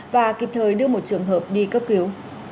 và kịp thời đưa một trường hợp đi cấp cứu